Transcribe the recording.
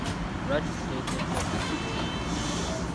Lwaki tuteekeddwa okusimba emiti?